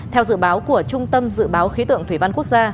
theo dự báo của trung tâm dự báo khí tượng thủy văn quốc gia